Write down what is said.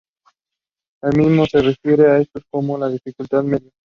Él mismo se refiere a ellos como en dificultad "Medium".